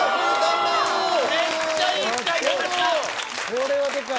これはでかい。